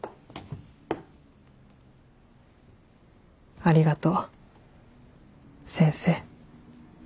ありがとう先生。